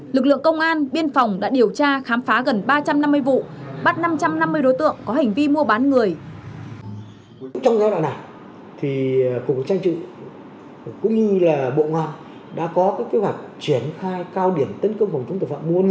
lực lượng công an biên phòng đã điều tra khám phá gần ba trăm năm mươi vụ